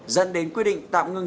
dẫn đến quyết định tạm ngưng